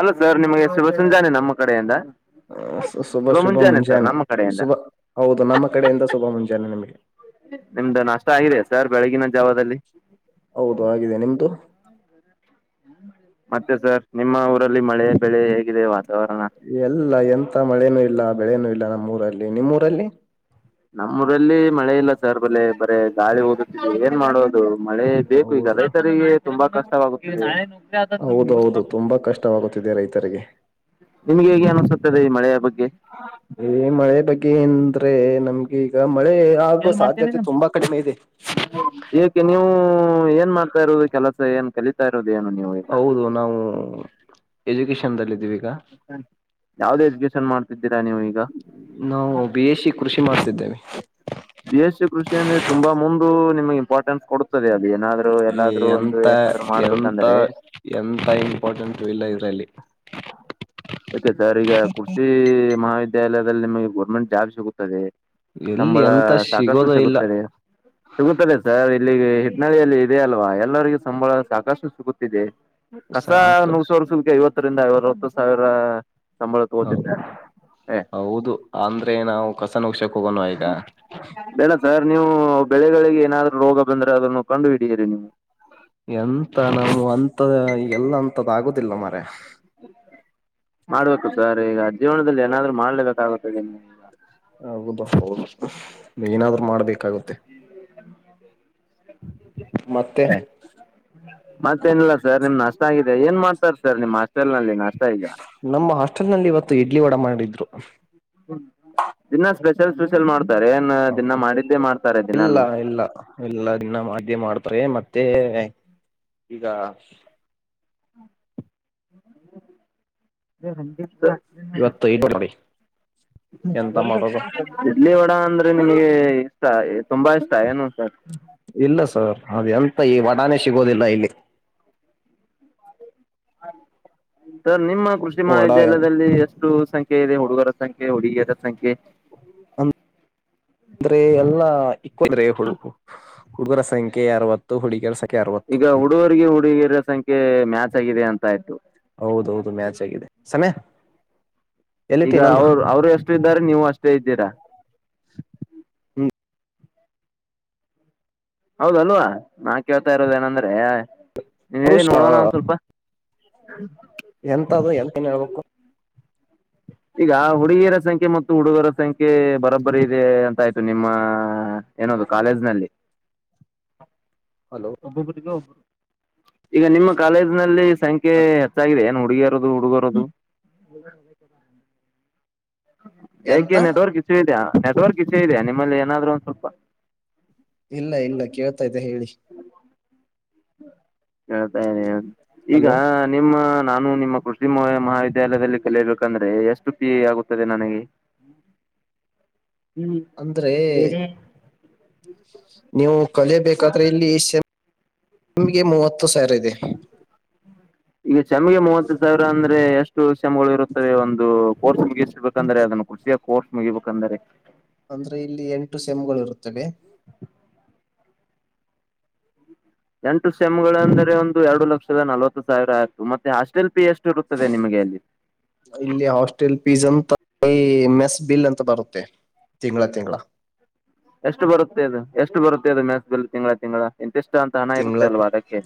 ಅಲ ಸರ್ ನಿಮಗೆ ಶುಭ ಸಂಂಜಾನೆ ನಮ್ಮ ಕಡೆಯಿಂದ ಹ ಶುಭ ಶುಭ ಸರ್ ಮುಂಜಾನೆ ನಮ್ಮ ಕಡೆಯಿಂದ ಶುಭ ಹೌದು ನಮ್ಮ ಕಡೆಯಿಂದ ಶುಭ ಮುಂಜಾನೆ ನಿಮಗೆ ನಿಮ್ದು ನಷ್ಟ ಆಗಿದೆಾ ಸರ್ ಬೆಳಗಿನ ಜಾವದಲ್ಲಿ ಹೌದು ಆಗಿದೆ ನಿಮ್ದು [inaudible] [unintelligible] ಮತ್ತೆ ಸರ್ ನಿಮ್ಮ ಊರಲ್ಲಿ ಮಳೆ ಬೆಳೆ ಹೇಗಿದೆ ವಾತಾವರಣ ಎಲ್ಲ ಎಂತ ಮಳೆನೂ ಇಲ್ಲ ಬೆಳೆನೂ ಇಲ್ಲ ನಮ್ಮೂಊರಲ್ಲಿ ನಿಮ್ಮ್ೂಊರಲ್ಲಿ ನಮ್ಮೂಊರಲ್ಲಿ ಮಳೆ ಇಲ್ಲ ಸರ್ ಬಲೆ ಬರೇ ಗಾಳಿ ಓದ ಏನ್ ಮಾಡೋದು ಮಳೆ ಬೇಕು ಈಗ ಹೌದು ರೈತರಿಗೆ ತುಂಬಾ ಕಷ್ಟವಾಗುತ್ತೆ ಹೌದ ಹೌದು ತುಂಬಾ ಕಷ್ಟವಾಗುತ್ತಿದೆ ರೈತರಿಗೆ ನಿಮ್ಗೆ ಹೇಗೆ ಅನ್ಸುತ್ತದೆ ಈ ಮಳೆಯ ಬಗ್ಗೆ ಈ ಮಳೆ ಬಗ್ಗೆ ಂದ್ರೆ ನಮ್ಗೆ ಈಗ ಮಳೆ ಆಗೋ ಸಾಧ್ಯತೆ ತುಂಬಾ ಕಡಿಮೆ ಇದೆ ಏಕೆ ನೀವು ಏನ್ ಮಾಡ್ತಾ ಇರುೋದು ಕೆಲಸ ಏನ್ ಕಲಿತ ತಾರೋಡ್ ಏನು ನೀವು ಈಗ ಹೌದು ನಾವು ಎಜುಕೇಶನ್ ದಲ್ಲ ಇದೀವಿ ಈಗ ಯಾವ್ದು ಎಜುಕೇಶನ್ ಮಾಡ್ತಿದ್ದೀರಾ ನೀವು ಈಗ ನಾವು ಬಿ ಎ ಸಿಿ ಕೃಷಿ ಮಾಡ್ತಿದ್ದೇವೆ ಬಿ ಎಸ್ ಸಿ ಕೃಷಿಯ ಅಂದ್ರೆ ತುಂಬಾ ಮುಂದಂದು ನಿಮ್ಗೆ ಇಂಪಾರ್ಟೆನ್ಸ್ ಕೊ ತದೆ ಅದು ಏನಾದ್ರು ಎಲ್ಲಾದ್ೂ ಒಂದು ಎಂತ ಏನಾದ್ರು ಎಂತ ಮಾಡ್ಬೇಕಂದ್ರೆ ಎಂತ ಇಂಪಾರ್ಟೆಂಟ್ ಇಲ್ಲ ಇದ್ರಲ್ಲಿ ಯಾಕೆ ಸರ್ ಈಗ ಕೃಷಿ ಮಹಾವಿದ್ಯಾಲಯದಲ್ಲಿ ನಿಮಗೆ ಗೋರ್ಮೆಂಟ್ ಜಾಬ್ ಸಿಗುತ್ತದೆ ಎಲ್ಲಿ ಸಂಬಳ ಎಂತ ಸಾಕಷ್ಟು ಸಿಗೋದ ಇಲ್ಲ ಸಿಗುತ್ತದೆ ಸಿಗುತ್ತದೆ ಸರ್ ಇಲ್ಲಿ ಹಿಟ್ನಳ್ಳಿಯಲ್ಲಿ ಇದೆ ಅಲ್ವಾ ಎಲ್ಲರಿೂ ಸಂಬಳ ಸಾಕಷ್ಟು ಸಿಗುತ್ತಿದೆ ಕಸ ಸಾಕಷ್ಟು ನೂರು ಸಾವಿರ ಸುಲ್ಕಿ ಐವತ್ತರಿಂದ ಐವವತ್ತು ಸಾವಿರ ಸಂಬಳ ಹ ತಕೋತಿದ್ದೆ. ಹೌದು ಅಂದ್ರೆ ನಾವು ಕಸನ [unintelligible] ಹೋಗೋಣ ಈಗ ಬೆಳೆ ಸರ್ ನೀವು ಬೆಳೆಗಳಿಗೆ ಏನಾದ್ರು ರೋಗ ಬಂದ್ರೆ ಅದನ್ನು ಕಂಡು ಹಿಡಿಯಿರಿ ನೀವು. ಎಂತ ನಾವು ಅಂತ ಎಲ್ಲ ಅಂತದ ಆಗುದಿಲ್ಲ ಮಾರಾಯ. ಮಾಡ್ಬೇಕು ಸರ್ ಈಗ ಜೀವನದಲ್ಲಿ ಏನಾದ್ರು ಮಾಡ್ಲೇಬೇಕಾಗುತ್ತೆ. ಹೌದು ಹೌದು ಏನಾದ್ರು ಮಾಡ್ಬೇಕಾಗುತ್ತೆ. ಮತ್ತೆ. ಮತ್ತೇನಿಲ್ಲ ಸರ್ ನಿಮ್ ನಷ್ಟ ಆಗಿದೆ ಏನ್ ಮಾಡ್ತಾರ ಸರ್ ನಿಮ್ ಹಸ್ಟೆಲ್ನಲ್ಲಿ ನಾಷ್ಟ ಈಗ. ನಮ್ಮ ಹಾಸ್ಟೆಲ್ ನಲ್ಲಿ ಇವತ್ತು ಇಡ್ಲಿ ವಡಾ ಮಾಡಿದ್ರು. ಹ್ಮ ದಿನಾ ಸ್ಪೆಷಲ್ ಸ್ಪಷಲ್ ಮಾಡ್ತಾರೆ ಏನ್ ದಿನಾ ಹೌದು ಮಾಡಿದ್ದೇ ಮಾಡ್ತಾರೆ ದಿನಲು. ಇಲ್ಲ ಇಲ್ಲ ಇಲ್ಲ ಮದ್ಯೆ ಮಾಡ್ತಾರೆ ಮತ್ತೆ ಈಗ. [inaudible] ಇವತ್ತು ಇದು ನೋಡಿ ಎಂತ ಮಾಡದು. ಇಡ್ಲಿ ವಡ ಅಂದ್ರೆ ನಿನಗೆ ಇಷ್ಟ ತುಂಬಾ ಇಷ್ಟ ಏನು ಸರ್. ಇಲ್ಲ ಸರ್ ಅದು ಎಂತ ಈ ವಡೆನೆ ಸಿಗೋದಿಲ್ಲ ಇಲ್ಲಿ. ಸರ್ ನಿಮ್ಮ ಕೃಷಿ ವಡ ಮಹಾವಿದ್ಯಾಲಯದಲ್ಲಿ ಎಷ್ಟ. ಎಷ್ಟು ಸಂಖ್ಯೆ ಇದೆ ಹುಡುಗರ ಸಂಖ್ಯೆ ಹುಡುಗಿಯರ ಸಂಖ್ಯೆ. [inaudible] ಅಂದ್ರೆ ಎಲ್ಲಾ ಅಂದ್ರೆ ಹುಡುಗರ ಸಂಖ್ಯೆ ಆರವತ್ತು ಹುಡುಗಿಯರ ಸಂಖ್ಯೆ ಅರವತ್ತು ಈಗ ಹುಡುಗರಿಗೆ ಹುಡುಗಿಯರ ಸಂಖ್ಯೆ ಮ್ಯಾಚ್ ಆಗಿದೆ ಅಂತ ಆಯ್ತು. ಹೌದೌದು ಮ್ಯಾಚ್ ಆಗಿದೆ ಸಮೆ. ಈಗ ಅವ್ರು ಅವ್ರು ಎಷ್ಟು ಇದ್ದಾರೆ ನೀವು ಅಷ್ಟೇ ಇದ್ದೀರಾ. ಹ್ಮ್ ಹೌದಲ್ವಾ ನಾ ಕೇಳ್ತಾ ಇರೋದ ಏನಂದ್ರೆ ನೀನ್ ಹೇಳಿ ಪುರುಷ ನೋಡೋಣ ಒಂದ್ ಸ್ವಲ್ಪ. [inaudible] ಎಂತ ಅದು ಎಲ್ಲಾನು ಹೇಳ್ಬೇಕು ಈಗ ಹುಡುಗಿಯರ ಸಂಖ್ಯೆ ಮತ್ತು ಹುಡುಗರ ಸಂಖ್ಯೆ ಬರೋಬ್ಬರಿ ಇದೆ ಅಂತ ಆಯ್ತು ನಿಮ್ಮ. ಏನದು ಕಾಲೇಜ್ನಲ್ಲಿ. ಹಲೋ [unintelligible] ಈಗ ನಿಮ್ಮ ಕಾಲೇಜ್ನಲ್ಲಿ ಸಂಖ್ಯೆ ಹೆಚ್ಚಾಗಿದೆ ಏನು ಹುಡುಗಿಯರದು ಹುಡುಗರೋದು. [inaudible] ಎಂತ ಯಾಕೆ ನೆಟ್ವರ್ಕ್ ಇಶೂ ಇದೆಯಾ ನೆಟ್ವರ್ಕ್ ಇಶೂ ಇದೆಯಾ ನಿಮ್ಮಲ್ಲಿ ಏನಾದ್ರು ಸ್ವಲ್ಪ. ಇಲ್ಲ ಇಲ್ಲ ಕೇಳ್ತಾಯಿದ್ದೆ ಹೇಳಿ. ಹೇಳ್ತಾರೆ ಈಗ. ಹಲೋ ನಿಮ್ಮ ನಾನು ನಿಮ್ಮ ಕೃಷಿ ಮಹಾವಿದ್ಯಾಲಯದಲ್ಲಿ ಕಲಿರ್ಬೇಕಂದ್ರೆ ಎಷ್ಟು ಫೀಸ್ ಆಗುತ್ತದೆ ನನಗೆ. [inaudible] ಹ್ಮ್ ಅಂದ್ರೆ [unintelligible] ನೀವು ಕಲಿಯಬೇಕಾದ್ರೆ ಇಲ್ಲಿ ಸೇಮ್ಗೆ ಮೂವತ್ತು ಸಾವಿರ ಇದೆ. ಈಗ ಸೆಮಿಗೆ ಮೂವತ್ತು ಸಾವಿರ ಅಂದ್ರೆ ಎಷ್ಟು ಸೇಮ್ಗಳು ಇರುತ್ತವೆ ಒಂದು ಕೋರ್ಸ್. ಬೇಕಂದ್ರೆ ಅದನ್ನ ಕುಷಿಯ ಕೋರ್ಸ್ ಮುಗಿಬೇಕಂದ್ರೆ. ಅಂದ್ರೆ ಇಲ್ಲಿ ಎಂಟು ಸೆಮ್ಗಳು ಇರುತ್ತವೆ. ಎಂಟು ಸೆಮ್ಗಳ ಅಂದರೆ ಒಂದು ಎರಡು ಲಕ್ಷದ ನಲವತ್ತು ಸಾವಿರ ಆಯ್ತು ಮತ್ತೆ ಹಾಸ್ಟೆಲ್ ಫೀ ಎಷ್ಟು ಇರುತ್ತದೆ ನಿಮಗೆ ಅಲ್ಲಿ. ಇಲ್ಲಿ ಹಾಸ್ಟೆಲ್ ಫೀಸ್ ಅಂತ ಮೆಸ್ ಬಿಲ್ ಅಂತ ಬರುತ್ತೆ ತಿಂಗಳ ತಿಂಗಳ. ಎಷ್ಟ ಬರುತ್ತೆ ಅದು ಎಷ್ಟ ಬರುತ್ತೆ ಅದು ಮೆಸ್ಸ್ ಬಿಲ್ಲ್ ತಿಂಗಳ ತಿಂಗಳ. ಇಷ್ಟ ಅಂತ ಅನ್ ಹಾ ತಿಂಗಳ ಇರುತ್ತೆ ಅಲ್ವಾ ಅದಕ್ಕೆ.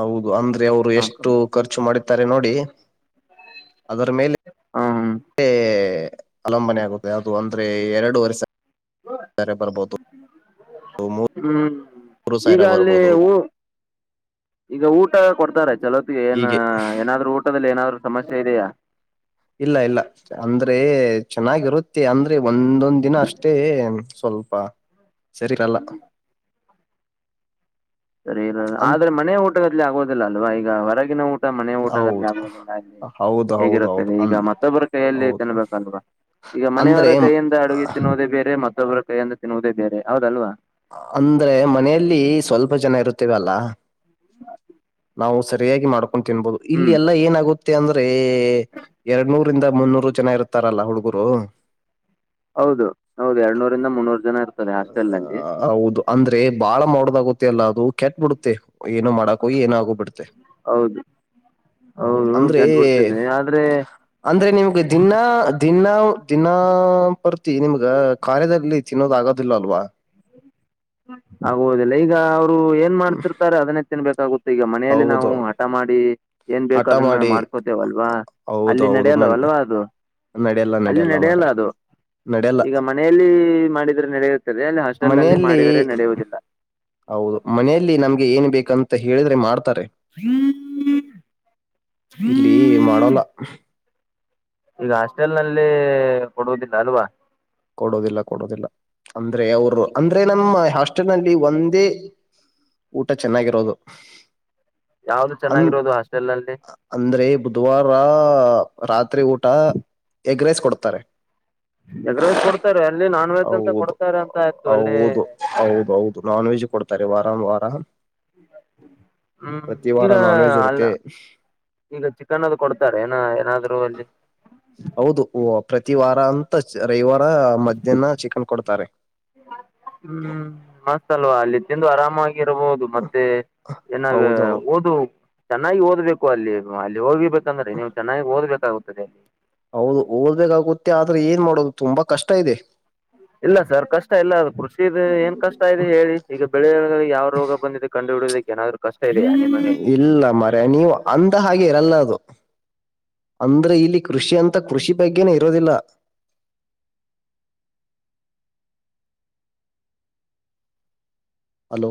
ಹೌದು ಅಂದ್ರೆ ಅವ್ರು ಎಷ್ಟು ನೋಡ್ಕೊಂಡು ಖರ್ಚು ಮಾಡತ್ತಾರೆ ನೋಡಿ. ಅದರ ಮೇಲೆ ಹ ಅವಲಂಬನೆ ಆಗುತ್ತೆ ಅದು ಅಂದ್ರೆ ಎರಡುವರೆ ಸಾವರಾ ಬರಬಹುದು. ಹ್ಮ್ ಮೂರು ಈಗ ಸಾವಿರ ಅಲ್ಲಿ ಬರ್ಬೋದು ಊ ಈಗ ಊಟ ಕೊಡ್ತಾರೆ ಚಲೋತ್ತಿಗೆ ಏನ್ ಹೀಗೆ ಏನಾದ್ರು ಊಟದಲ್ಲಿ ಏನಾದ್ರು ಸಮಸ್ಯೆ ಇದೆಯಾ. ಇಲ್ಲ ಇಲ್ಲ ಅಂದ್ರೆ ಚೆನ್ನಾಗಿರುತ್ ಅಂದ್ರೆ ಒಂದೊಂದ್ ದಿನ ಅಷ್ಟೇ ಸ್ವಲ್ಪ ಸರಿರಲ್ಲ. ಸರಿ ಇರಲ್ಲ ಆದ್ರೆ ಮನೆಯ ಊಟಗತ್ಲೆ ಆಗೋದಿಲ್ಲ ಅಲ್ವಾ ಈಗ ಹೊರಗಿನ ಊಟ್ ಮನೆ ಊಟಗತ್ಲೆ ಹೌದು ಆಗೋದಿಲ್ಲ ಅಲ್ಲಿ ಹೌದು ಹೌದು ಹೌದು ಹೇಗಿರುತ್ತದೆ ಈಗ ಅನ್ ಮತ್ತೊಬ್ಬರ ಕೈಯಲ್ಲಿ ಹೌದು ತಿನ್ಬೇಕಲ್ವಾ. ಈಗ ಮನೆಯವರ ಅಂದ್ರೆ ಕೈಯಿಂದ ಅಡುಗೆ ತಿನ್ನುವುದೇ ಬೇರೆ ಮತ್ತೊಬ್ಬರ ಕೈಯಿಂದ ತಿನ್ನುವುದೇ ಬೇರೆ ಹೌದಲ್ವಾ. ಅಂದ್ರೆ ಮನೆಯಲ್ಲಿ ಸ್ವಲ್ಪ ಜನ ಇರುತ್ತೇವೆ ಅಲ್ಲಾ. ನಾವು ಸರಿಯಾಗಿ ಮಾಡ್ಕೊಂಡ ತಿನ್ಬಹುದು ಇಲ್ಲಿ ಹ್ಮ್ ಎಲ್ಲಾ ಏನಾಗುತ್ತ ತ್ತೆ ಅಂದ್ರೆ ಎರಡ್ ನೂರಿಂದ ಮುನ್ನೂರು ಜನಾ ಇರತಾರಲ್ಲ ಹುಡುಗರು. ಹೌದು ಹೌದು ಎರಡ್ನೂರಿಂದ ಮುನ್ನೂರು ಜನ ಇ ಹ ಹೌದು. ಅಂದ್ರೆ ಬಾಳ ಮಾಡದಾಗುತ್ತೆ ಅಲ್ಲ ಅದು ಕೆಟ್ಟ ಬಿಡುತ್ತೆ ಏನೋ ಮಾಡಾಕ ಹೋಗಿ ಏನೋ ಆಗೋಗಬುಡುತ್ತೆ. ಹೌದು ಹೌದು ಕೆಟ್ಟಬಿಡ್ತದೆ ಆದ್ರೆ ಅಂದ್ರೆ ನಿಮ್ಗೆ ದಿನಾ ದಿನ ದಿನಾ ಪೂರ್ತಿ ನಿಮ್ಗ ಕಾರ್ಯದಲ್ಲಿ ತಿನ್ನೋದ ಆಗೋದಿಲ್ಲ ಅಲ್ವಾ. ಆಗುವುದಿಲ್ಲ ಈಗ ಅವ್ರು ಏನ್ ಮಾಡ್ತಿರ್ತಾರೆ ಅದನ್ನೇ ತಿನ್ಬೇಕಾಗುತ್ ತ್ತೆ ಈಗ ಮನೆಯಲ್ಲಿ ನಾವು ಹೌದು ಹಠ ಮಾಡಿ ಏನ್ ಬೇಕು ಹಠ ಅದನ್ನ ಮಾಡಿ ಮಾಡ್ಕೋತೇವಲ್ವಾ. ಹೌದು ಅಲ್ಲಿ ಹೌದು ಮನ್ ನಡೆಯಲ್ಲವಲ್ವಾ ಅದು. ನಡೆಯಲ್ಲ ಅಲ್ಲಿ ನಡೆಯಲ್ಲ ಮಾರಾಯ ಅದು ನಡ್ಯಲ್ಲ ಈಗ ಮನೆಯಲ್ಲಿ ಮಾಡಿದ್ರೆ ನಡೆಯುತ್ತದೆ ಅಲ್ಲಿ ಹಾಸ್ಟೆಲ್ ನಲ್ಲಿ ಮನೆಯಲ್ಲಿ ಮಾಡಿದ ಹೌದು ಮನೆಯಲ್ಲಿ ನಮ್ಗೆ ಏನ್ ಬೇಕಂತ ಹೇಳಿದ್ರೆ ಮಾಡ್ತಾರೆ. [unintelligible] ಇಲ್ಲಿ ಮಾಡೊಲ್ಲ. ಈಗ ಹಾಸ್ಟೆಲ್ನಲ್ಲಿ ಕೊಡುವುದಿಲ್ಲ ಅಲ್ವಾ. ಕೊಡುದಿಲ್ಲ ಕೊಡುದಿಲ್ಲ ಅಂದ್ರೆ ಅವರು ಅಂದ್ರೆ ನಮ್ಮ ಹಾಸ್ಟೆಲ್ನಲ್ಲಿ ಒಂದೇ ಊಟಾ ಚೆನ್ನಾಗಿರೋದು ಯಾವ್ದು ಅನ್ ಚೆನ್ನಾಗಿರೋದು ಹಾಸ್ಟೆಲ್ನಲ್ಲಿ. ಅಂದ್ರೆ ಬುಧವಾರ ರಾತ್ರಿ ಊಟ ಎಗ್ ರೈಸ್ ಕೊಡ್ತಾರೆ. ಎಗ್ಗ್ ರೈಸ್ ಕೊಡ್ತಾರೆ ಅಲ್ಲಿ ನಾನ್ ವೆಜ್ ಅಂತ ಕೊಡ್ತಾರೆ ಅಂತ ಆಯ್ತು ಅಲ್ಲಿ. ಹೌದೌದು ನಾನ್ ವೆಜ್ ಕೊಡ್ತಾರೆ ವಾರನವಾರ. ಹ್ಮ್ ಪ್ರತಿ ವಾರ ಈಗ ನಾನ್ ವೆಜ್ ಅ ಇರುತ್ತೆ. ಈಗ ಚಿಕನ್ ಅದು ಕೊಡ್ತಾರೆನ ಏನಾದ್ರು ಅಲ್ಲಿ. ಹೌದು ಓ ಪ್ರತಿ ವಾರ ಅಂತ ರವಿವಾರ ಮಧ್ಯಾಹ್ನ ಚಿಕನ್ ಕೊಡ್ತಾರೆ. ಹ್ಮ್ ಮಸ್ತಲ್ವಾ ಅಲ್ಲಿ ತಿಂದು ಆರಾಮಾಗಿ ಇರಬಹುದು ಮತ್ತೆ ಏನಾದ ಹೌದು ಓದು ಚೆನ್ನಾಗಿ ಓದ್ಬೇಕು ಅಲ್ಲಿ ಅಲ್ಲಿ ಹೋಗಿಬೇಕಂದ್ರೆ ನೀವು ಚೆನ್ನಾಗಿ ಓದಿಬೇಕಾಗುತ್ತದೆ. ಹೌದು ಓದಬೇಕಾಗುತ್ತೆ ಆದ್ರೆ ಏನ್ ಮಾಡೊದು ತುಂಬಾ ಕಷ್ಟ ಇದೆ. ಇಲ್ಲ ಸರ್ ಕಷ್ಟ ಇಲ್ಲ ಅದು ಕೃಷಿದ ಏನ್ ಕಷ್ಟ ಇದೆ ಹೇಳಿ ಈಗ ಬೆಳೆ ಯಾವ ರೋಗ ಬಂದಿದೆ ಕಂಡು ಹಿಡಿಯುವುದಕ್ಕೆ ಏನಾದ್ರು ಕಷ್ಟ ಇದೆಯಾ ನಿಮಗೆ ಇಲ್ಲ ಮರ್ಯ ನೀವು ಅಂದ ಹಾಗೆ ಇರೋಲ್ಲ ಅದು ಅಂದ್ರೆ ಇಲ್ಲಿ ಕೃಷಿ ಅಂತ ಕೃಷಿ ಬಗ್ಗೆನೆ ಇರೋದಿಲ್ಲ hello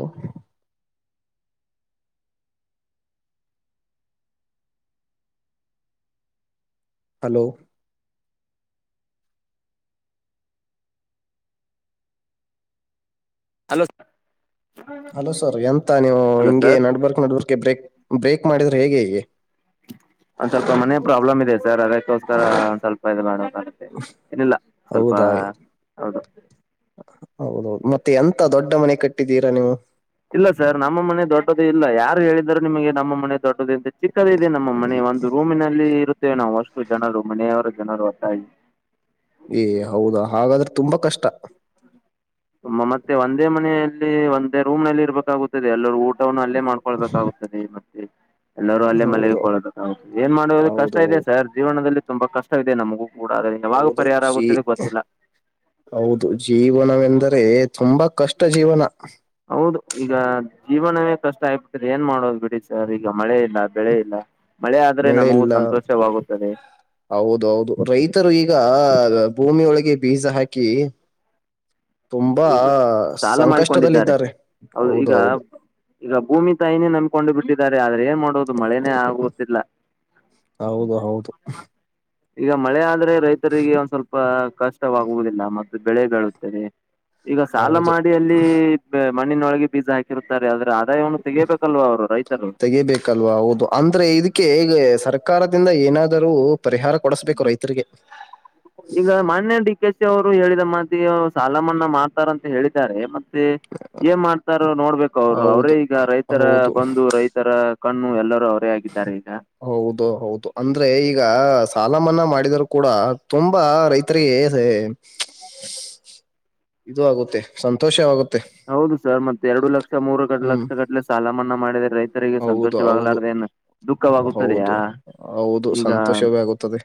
hello hello hello sir ಎಂತ ನೀವು ಹಿಂಗೆ sir network network break break ಮಾಡಿದ್ರೆ ಹೇಗೆ? ಅದ್ ಸ್ವಲ್ಪ ಮನೆ ಪ್ರಾಬ್ಲಮ್ ಇದೆ ಸರ್ ಅದಕ್ಕೆ ಅದಕ್ಕೋಸ್ಕರ ಒಂದ ಸ್ವಲ್ಪ ಇದು ಮಾಡಾಗುತ್ತೆ ಇನಿಲ್ಲ ಸ್ವಲ್ಪ ಹೌದಾ ಹೌದು ಹೌದೌದು ಮತ್ತೆ ಎಂತ ದೊಡ್ಡ ಮನೆ ಕಟ್ಟಿದ್ದೀರಾ ನೀವು? ಇಲ್ಲ ಸರ್ ನಮ್ಮ ಮನೆ ದೊಡ್ಡದು ಇಲ್ಲ ಯಾರು ಹೇಳಿದ್ರ ನಿಮಗೆ ನಮ್ಮ ಮನೆ ದೊಡ್ಡದುಇದೆ. ಚಿಕ್ಕದ ಇದೆ ನಮ್ಮ ಮನೆ ಒಂದು ರೂಮಿನಲ್ಲಿ ಇರುತ್ತೇವೆ ನಾವು ಅಷ್ಟು ಜನರು ಮನೆಯವರ ಜನರು [unintelligible] ಏ ಹೌದಾ ಹಾಗಾದ್ರೆ ತುಂಬಾ ಕಷ್ಟ. ತು ಮತ್ತೆ ಒಂದೇ ಮನೆಯಲ್ಲಿ ಒಂದೇ ರೂಮ್ ನಲ್ಲಿ ಇರ್ಬೇಕಾಗುತ್ತದೆ ಎಲ್ಲರೂ ಊಟ [unintelligible] ಅಲ್ಲೇ ಮಾಡ್ಕೊಳ್ಬೇಕಾಗುತ್ತದೆ ಮತ್ತೆ ಎಲ್ಲರೂ ಅಲ್ಲೇ ಹೌದು ಮನಿಕೋಲೋದು ಏನ್ ಮಾಡುವುದು ಕಷ್ಟ ಹೌದು ಇದೆ ಹೌದು ಸರ್ ಜೀವನದಲ್ಲಿ ತುಂಬಾ ಕಷ್ಟ ಇದೆ ನಮಗೂ ಕೂಡ ಅದರಿಂದ ಯಾವಾಗ ಹೌದು ಪರಿಹಾರ ಜೀ ಆಗುತ್ತಿದೆ ಗೊತ್ತಿಲ್ಲ ಹೌದು ಜೀವನವೆಂದರೆ ತುಂಬಾ ಕಷ್ಟ ಜೀವನ. ಹೌದು ಈಗ ಜೀವನವೇ ಕಷ್ಟ ಆಗ್ಬಿಟ್ಟ್ರೆ ಏನ್ ಮಾಡೋದು ಬಿಡಿ ಸರ್ ಈಗ ಮಳೆ ಇಲ್ಲ. ಬೆಳೆ ಇಲ್ಲ ಮಳೆ ಆದ್ರೆ ನಮಗೂ ಸಂತೋಷವಾಗುತ್ತದೆ. ರು ಈಗ ಭೂಮಿಯ ಒಳಗೆ ಬೀಜ ಹಾಕಿ ತುಂಬಾ ಈಗ ಸಾಲ ಮಾಡಿಕೊಂಡಿದ್ದಾರೆ ಸಂಕಷ್ಟದಲ್ಲಿದ್ದಾರೆ ಹೌದ ಹೌದು ಈಗ ಭೂಮಿ ತಾಯಿನೇ ನಂಬಕೊಂಡು ಬಿಟ್ಟಿದ್ದಾರೆ ಆದ್ರೆ ಏನ್ ಮಾಡ ಹೌದು ಮಳೆನೇ ಆಗುತ್ತಿಲ್ಲ. ಹೌದು ಹೌದು ಈಗ ಮಳೆ ಆದ್ರೆ ರೈತರಿಗೆ ಒಂದ್ ಸ್ವಲ್ಪ ಕಷ್ಟವಾಗುವುದಿಲ್ಲ ಮತ್ತೆ ಬೆಳೆ ಬೆಳು ಈಗ ಸಾಲ ಹೌದು ಮಾಡಿ ಅಲ್ಲಿ ಮಣ್ಣಿನೊಳಗೆ ಬೀಜ ಹಾಕಿ ಇರುತ್ತಾರೆ ಆದ್ರೆ ಆದಾಯವನ್ನು ತೆಗಯಬೇಕಲ್ವ ಅವರು ರೈತರು. ಲ್ವಾ ಹೌದು ಅಂದ್ರೆ ಇದಕ್ಕೆ ಈಗ ಸರ್ಕಾರದಿಂದ ಏನಾದರೂ ಪರಿಹಾರ ಕೊಡಸ್ಬೇಕು ರೈತರಿಗೆ. ಈಗ ಮಾನ್ಯ ಡಿ ಕೆ ಸಿ ಅವರು ಹೇಳಿದ ಮಾತಿಗೆ ಸಾಲ ಮನ್ನಾ ಮಾಡ್ತಾರಂತ ಹೇಳಿದ್ದಾರೆ ಮ ಮತ್ತೆ ಏನ್ ಮಾಡ್ತಾರೋ ನೋಡ್ಬೇಕು ಅವರು ಅವರೇ ಹೌದು ಈಗ ರೈತರ ಹೌದು ಬಂದು ರೈತರ ಕಣ್ಣು ಎಲ್ಲರೂ ಅವರೇ ಆಗಿದ್ದಾರೆ ಈಗ. ಹೌದು ಹೌದು ಅಂದ್ರೆ ಈಗ ಸಾಲ ಮನ್ನಾ ಮಾಡಿದರು ಕೂಡ ತುಂಬಾ ರೈತರಿಗೆ ಇದು ಆಗುತ್ತೆ ಸಂತೋಷವಾಗುತ್ತೆ. ಹೌದು ಸರ್ ಮತ್ತ ಎರಡು ಲಕ್ಷ ಮೂರು ಹ್ಮ್ ಲಕ್ಷ ಕಟ್ಟಲೆ ಸಾಲ ಮನ್ನಾ ಮಾಡಿದ್ರೆ ರೈತ ರಿಗೆ ಹೌದು ಹೌದು ಸಂತೋಷವಾಗಲಾರ್ದನ್ ದುಃಖವಾಗುತ್ತದೆಯಾ ಹೌದು ಹೌದು ಈಗ ಸಂತೋಷವೇ ಆಗುತ್ತದೆ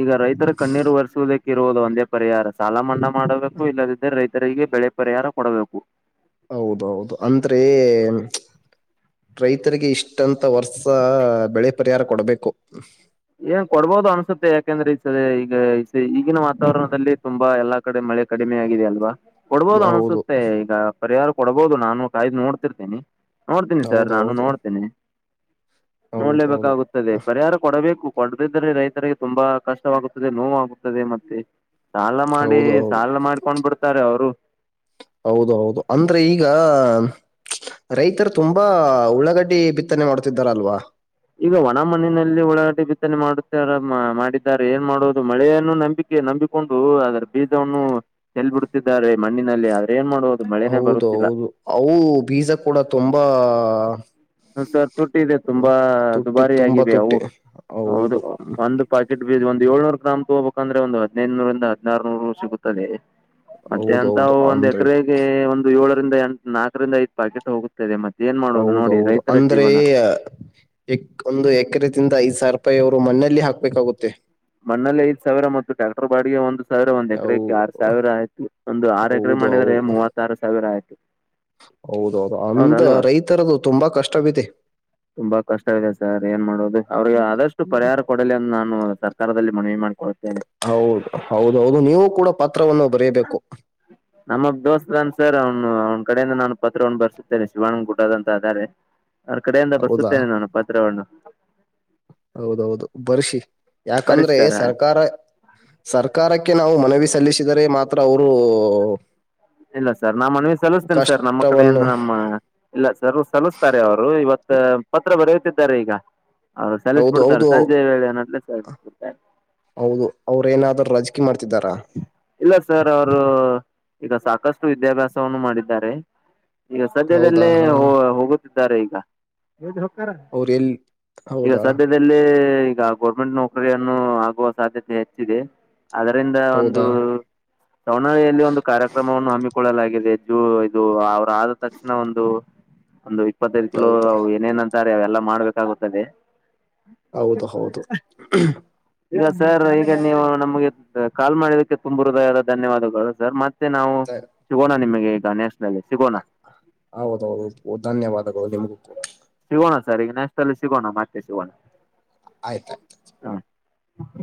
ಈಗ ರೈತರ ಕಣ್ಣೀರು ಒರೆಸೋದಕ್ಕೆ ಇರುವುದು ಒಂದೇ ಪರಿಹಾರ ಸಾಲ ಮನ್ನಾ ಮಾಡಬೇಕು ಇಲ್ಲದಿದ್ದರೆ ರೈತರಿಗೆ ಪರಿಹಾರ ಕೊಡಬೇಕು. ಹೌದೌದು ಅಂದ್ರೆ ರೈತರಿಗೆ ಇಷ್ಟಂತ ವರ್ಷ ಬೆಳೆ ಪರಿಹಾರ ಕೊಡಬೇಕು. ಏನ್ ಕೊಡ್ಬೋದು ಅನ್ಸುತ್ತೆ ಯಾಕಂದ್ರೆ ಈ ಸ ಈಗ ಈಗಿನ ವಾತಾವರಣದಲ್ಲಿ ತುಂಬ ಎಲ್ಲಾ ಕಡೆ ಮಳೆ ಕಡಿಮೆ ಆಗಿದೆ ಅಲ್ವಾ ಕೊಡ್ಬೋದು ಹೌದು ಅನಸುತ್ತೆ ಈಗ ಪರಿಹಾರ ಕೊಡಬಹುದು ನಾನು ಕಾಯ್ದು ನೋಡ್ತಿರ್ತೇನಿ ನೋಡ್ತೀನಿ ಸರ್ ಹೌದು ನಾನು ಹೌದು ನೋಡ್ತೇನೆ. ಹೌದು ಹೌದು ಹೌದು ನೋಡ್ಲೇಬೇಕಾಗುತ್ತದೆ ಪರಿಹಾರ ಕೊಡಬೇಕು. ಕೊಡದಿದ್ರೆ ರೈತರಿಗೆ ತುಂಬಾ ಕಷ್ಟವಾಗುತ್ತದೆ ನೋವಾಗುತ್ತದೆ ಮತ್ತೆ ಸಾಲ ಮಾಡಿ ಹೌದು ಸಾಲ ಮಾಡ್ಕೊಂಡ ಬಿಡ್ತಾರೆ ಅವ್ರು ಹೌದ ಹೌದು ಅಂದ್ರೆ ಈಗ ರೈತರ ತುಂಬಾ ಉಳ್ಳಗಡ್ಡಿ ಬಿತ್ತನೆ ಮಾಡ್ತಿದ್ದಾರಲ್ವಾ. ಈಗ ಒಣ ಮಣ್ಣಿನಲ್ಲಿ ಉಳಾಡ್ಡಿ ಬಿತ್ತನೆ ಮಾಡುತ್ತಾರ ಮಾಡಿದ್ದಾರೆ ಏನ್ ಮಾಡುದು ಮಳೆಯನ್ನು ನಂಬಿ ನಂಬಿಕೊಂಡು ಅದರ ಬೀಜವನ್ನು ಚೆಲ್ಲ ಬಿಡತ್ತಿದ್ದಾರೆ ಮಣ್ಣಿನಲ್ಲಿ ಆದ್ರ ಏನ್ ಮಾ ಹೌದು ಹೌದು ಅವು ಬೀಜ ಕೂಡ ತುಂಬಾ ಹ ಸರ್ ತುಟ್ಟಿದೆ ಹ್ಮ್, ತುಂಬಾ ತುಟ್ಟಿ ದುಬಾರಿ ತುಂಬಾ ಆಗಿದೆ ಅವು ತುಟ್ಟಿ ಹೌದು ಒಂದ ಪಾಕೆಟ್ ಬೀಜ ಒಂದ ಏಳ್ನೂರ ಗ್ರಾಮ್ ತಗೋಬೇಕಂದ್ರೆ ಒಂದು ಹದಿನೈನರಿಂದ ಹದಿನಾರ ನೂರು ಸಿಗುತ್ತದೆ. ಮತ್ತೆ ಅಂತವ ಹೌದೌದು ಒಂದ್ ಅಂದ್ರೆ ಎಕರೆಗೆ ಒಂದು ಏಳರಿಂದ ಎ ನಾಲ್ಕರಿಂದ ಐದು ಪಾಕೆಟ್ ಹೋಗುತ್ತ ಮತ್ತೆ ಏನ್ ಮಾಡೋದು ನೋಡಿ ರೈತರ ಜೀವನ. ಎ ಒಂದ ಎಕರೆದಿಂದ ಐದ್ ಸಾವರಪಾಯಿ ಅವರು ಮಣ್ಣಲ್ಲಿ ಹಾಕ್ಬೇಕಾಗುತ್ತೆ. ಮಣ್ಣಲ್ಲ ಐದ ಸಾವರ ಮತ್ತ ಟ್ರಾಕ್ಟರ್ ಬಾಡಿಗೆ ಒಂದ ಸರ್ ಒಂದ ಅವು ಎಕರೆಕ ಯಾಡ ಸಾವಿರ ಹಾಕಿ ಒಂದು ಆರು ಎಕರೆ ಹೌದು ಮಾಡಿದ್ರೆ ಹೌದು ಮೂವತ್ತಾರ ಸಾವಿರ ಆಯ್ತು. ಹೌದೌದು ಅಂದ ಹೌದಲ್ವಾ ರೈತರದು ತುಂಬಾ ಕಷ್ಟವಿದೆ. ತುಂಬಾ ಕಷ್ಟವಿದೆ ಸರ್ ಏನ್ ಮಾಡುದು ಅವ್ರಿಗೆ ಆದಷ್ಟು ಹ್ಮ್. ಪರಿಹಾರ ಕೊಡಲಿ ಅಂದ ನಾನ ತರದಲ್ಲಿ ಮನವಿ ಮಾಡ್ಕೊಳ್ತೇನೆ. ಹೌದ ಹೌದ ಹೌದು ನೀವು ಕೂಡ ಪತ್ರವನ್ನು ಬರೀಬೇಕು. ನಮ್ಮ ದೋಸ್ತ ಅದಾನ ಸರ್ ಅವ್ನ ಅವನ ಕಡೆಯಿಂದ ನಾನು ಪತ್ರವನ್ನ ಬರ್ಸುತ್ತೇನೆ ಶಿವಾನಂಗ ಗುಡದ ಅಂತ ಆದಾರೆ. ಅವ್ರ ಕಡೆಯಿಂದ ಹೌದಾ ಬರ್ಸುತ್ತೇನೆ ನಾನು ಪತ್ರವನ್ನು ಹೌದೌದು ಬರ್ಸಿ ಬರಿ ಯಾಕಂದ್ರೆ ಸರ್ ಸರ್ಕಾರ ಸರ್ಕಾರಕ್ಕೆ ನಾವು ಮನವಿ ಸಲ್ಲಿಸಿದರೆ ಮಾತ್ರ ಅವರು ಇಲ್ಲ ಸರ್ ನಾ ಮನವಿ ಸಲ್ಲಿಸ್ತನ ಸರ್ ನಮ್ಮ ಕಷ್ಟವನ್ನು ಕಡೆಯಿಂದ ನಮ್ಮ ಇಲ್ಲ ಸರ್ ಸಲ್ಲಿಸ್ತಾರೆ ಅವರು ಇವತ್ತ ಪತ್ರ ಬರೆಯುತ್ತಿದ್ದಾರೆ ಈಗ ಅ ಹೌದು ಸಲ್ಲಿಸ್ಬಿಡ್ತಾರೆ ಹೌದು ಸಂಜೆ ವೇಳೆ ಸ ಸಲ್ಲಿಸ ಹೌದು ಅವ್ರ ಏನಾದ್ರು ರಜಕಿ ಮಾಡ್ತಿದಾರಾ. ಇಲ್ಲ ಸರ್ ಅವರು ಈಗ ಸಾಕಷ್ಟು ವಿದ್ಯಾಭ್ಯಾಸವನ್ನು ಮಾಡಿದ್ದಾರೆ. ಈಗ ಹೌದಾ ಸದ್ಯದಲ್ಲೇ ಹಾ ಹ ಹಾ. ಹೋಗುತ್ತಿದ್ದಾರೆ ಈಗ [unintelligible] ಹಕ್ಕಾರ ಅವ್ರ ಎಲ್ ಈಗ ಹೌದಾ ಸದ ಸದ್ಯದಲ್ಲಿ ಈಗ ಗೌರ್ಮೆಂಟ್ ನೌಕರಿ ಅನ್ನು ಆಗುವ ಸಾಧ್ಯತೆ ಹೆಚ್ಚಿದೆ ಅದರಿಂದ ಒಂದು ಹೌದಾ ವಣಯಲ್ಲಿ ಒಂದು ಕಾರ್ಯಕ್ರಮವನ್ನು ಹಮ್ಮಿಕೊಳ್ಳಲಾಗಿದೆ ಜು ಇದು ಅವರ ಆದ ತಕ್ಷಣ ಒಂದು ಒಂದ ಇಪ್ಪತ್ತೈದ ಕಿಲೋ ಹೌದು ಅವ ಏನೇನ್ ಅಂತಾರೆ ಅವೆಲ್ಲಾ ಮಾಡ್ಬೇಕಾಗುತ್ತದೆ. ಹೌದು ಹೌದು ಈಗ ಸರ್ ಈಗ ನೀವು ನಮ್ಗೆ ಕಾಲ್ ಮಾಡಿದಕ್ಕೆ ತುಂಬು ಹೃದಯದ ಧನ್ಯವಾದಗಳು ಸರ್ ಮತ್ತೆ ನಾವು ಸರಿ. ಸಿಗೋಣ ನಿಮಗೆ ಈಗ ನ್ಯಾಷನಲ್ಲಿ ಹೌದೌದು ಧನ್ಯವಾದಗಳು ನಿಮಗೂ ಕೂಡ ಸಿಗೋಣ ಸರ್ ಈಗ ನೇಸಲ್ಲಿ ಅಲ್ಲಿ ಸಿಗೋಣ ಮತ್ತೆ ಸಿಗೋಣ. ಆಯ್ತ ಆಯ್ತ. ಹಾಂ